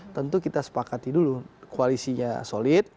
tentu kita sepakati dulu koalisinya solid